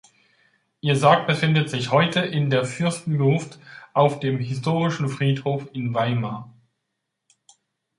Ihr Sarg befindet sich heute in der Fürstengruft auf dem Historischen Friedhof in Weimar.